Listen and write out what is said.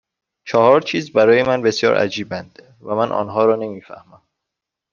چهار چیز برای من بسیار عجیبند و من آنها را نمیفهمم